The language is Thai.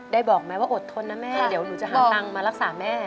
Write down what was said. บอกไหมว่าอดทนนะแม่เดี๋ยวหนูจะหาตังค์มารักษาแม่